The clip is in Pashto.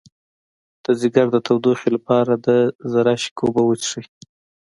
د ځیګر د تودوخې لپاره د زرشک اوبه وڅښئ